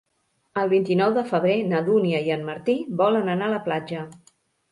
El vint-i-nou de febrer na Dúnia i en Martí volen anar a la platja.